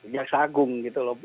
jaksa agung gitu loh